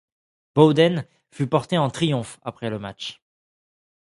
Bowden fut porté en triomphe après le match.